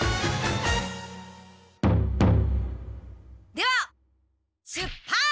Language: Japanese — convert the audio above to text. では出発！